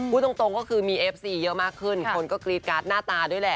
พูดตรงก็คือมีเอฟซีเยอะมากขึ้นคนก็กรี๊ดการ์ดหน้าตาด้วยแหละ